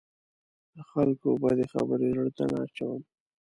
د خلکو بدې خبرې زړه ته نه اچوم.